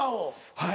はい。